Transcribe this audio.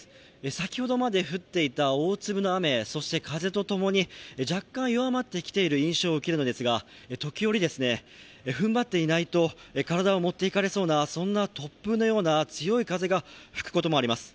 先ほどまで降っていた大粒の雨、そして風とともに若干弱まってきている印象を受けるのですが、時折、踏ん張っていないと体を持っていかれそうな、そんな突風のような強い風が吹くこともあります。